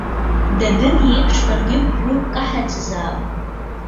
Дадын иеиԥш, баргьы бгәы каҳаӡазаап!